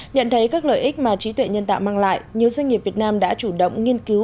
nhận thấy các lợi ích mà trí tuệ nhân tạo mang lại nhiều doanh nghiệp việt nam đã chủ động nghiên cứu